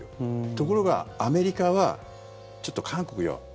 ところがアメリカはちょっと韓国よ